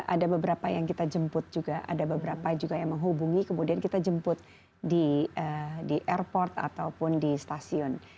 ada beberapa yang kita jemput juga ada beberapa juga yang menghubungi kemudian kita jemput di airport ataupun di stasiun